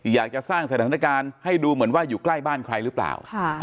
อยากจะสร้างสถานการณ์ให้ดูเหมือนว่าอยู่ใกล้บ้านใครหรือเปล่า